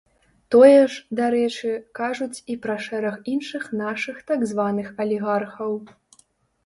Тое ж, дарэчы, кажуць і пра шэраг іншых нашых так званых алігархаў.